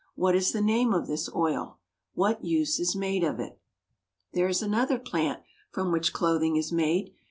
What is the name of this oil? What use is made of it? There is another plant from which clothing is made.